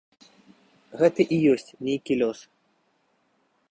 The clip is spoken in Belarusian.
Гэта і ёсць нейкі лёс.